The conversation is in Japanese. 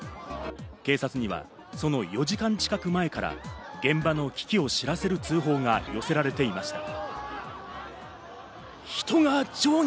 警察にはその４時間近く前から現場の危機を知らせる通報が寄せられていました。